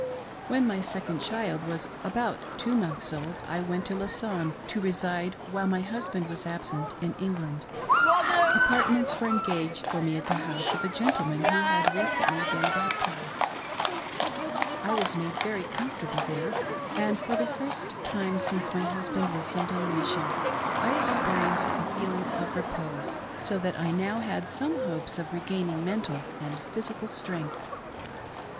When my second child was about two months old, I went to Lausanne, to reside, while my husband was absent in England. Apartments were engaged for me at the house of a gentleman who had recently been baptized. I was made 122 HOW I LIVED ON A DOLLAR A WEEK. very comfortable there, and for the first time since my hus band was sent on a mission, I experienced a feehng of repose, so that I now had some hopes of regaining mental and physical strength.